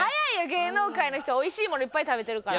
芸能界の人はおいしいものいっぱい食べてるから。